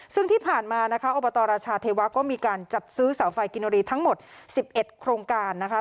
ซึ่งที่ผ่านมานะคะอบตรราชาเทวะก็มีการจัดซื้อเสาไฟกินรีทั้งหมด๑๑โครงการนะคะ